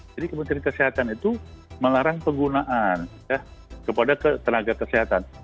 jadi kementerian kesehatan itu melarang penggunaan kepada tenaga kesehatan